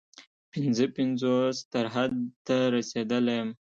پنځه پنځوس تر حد ته رسېدلی یم.